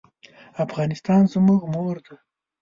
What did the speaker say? افغانستان زموږ مور ده